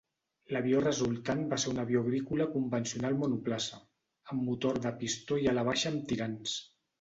L'avió resultant va ser un avió agrícola convencional monoplaça, amb motor de pistó i ala baixa amb tirants.